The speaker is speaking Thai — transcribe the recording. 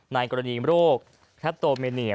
ในกรณีโรคแคปโตเมเนีย